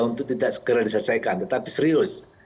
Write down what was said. untuk tidak segera diselesaikan tetapi serius